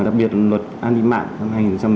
đặc biệt luật an ninh mạng năm hai nghìn một mươi